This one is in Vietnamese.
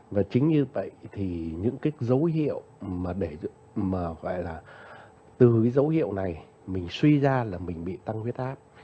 và chính như vậy thì những cái dấu hiệu mà để mà gọi là từ cái dấu hiệu này mình suy ra là mình bị tăng huyết áp